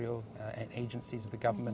dari agensi dan perbicaraan